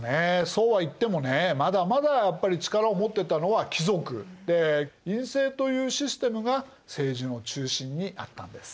そうは言ってもねまだまだやっぱり力を持ってたのは貴族で院政というシステムが政治の中心にあったんです。